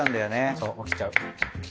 そう起きちゃう。